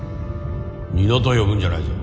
二度と呼ぶんじゃないぞ。